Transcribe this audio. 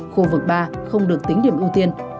khu vực ba không được tính điểm ưu tiên